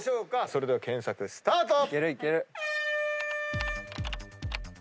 それでは検索スタート！